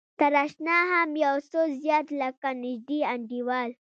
تر اشنا هم يو څه زيات لکه نژدې انډيوال.